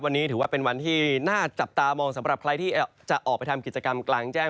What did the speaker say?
วันนี้ถือว่าเป็นวันที่น่าจับตามองสำหรับใครที่จะออกไปทำกิจกรรมกลางแจ้ง